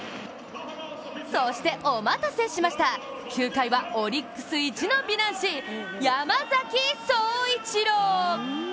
そして、お待たせしました９回はオリックス一の美男子・山崎颯一郎。